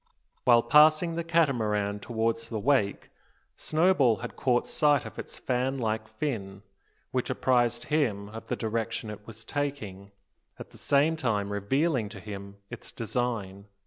While passing the Catamaran towards the wake, Snowball had caught sight of its fan like fin, which apprised him of the direction it was taking, at the same time revealing to him its design.